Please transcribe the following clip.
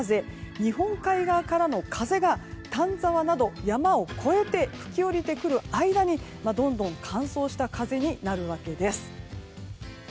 日本海側からの風が丹沢など山を越えて吹き降りてくる間にどんどん乾燥した風になるわけです。